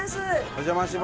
お邪魔します。